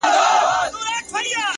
د پوهې لټون ذهن ژوندی ساتي